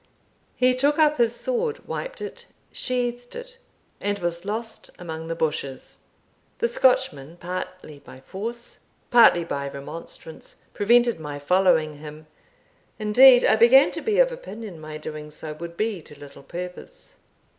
He took up his sword, wiped it, sheathed it, and was lost among the bushes. The Scotchman, partly by force, partly by remonstrance, prevented my following him; indeed I began to be of opinion my doing so would be to little purpose.